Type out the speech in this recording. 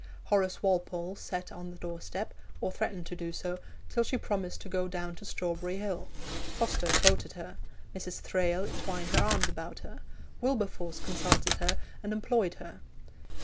Horace Walpole sat on the doorstep or threatened to do so till she promised to go down to Strawberry Hill; Foster quoted her; Mrs. Thrale twined her arms about her; Wilberforce consulted her and employed her.